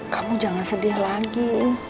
kamu jangan sedih lagi